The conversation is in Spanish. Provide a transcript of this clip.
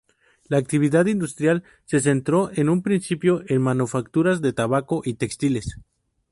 La actividad industrial se centró en un principio en manufacturas de tabaco y textiles.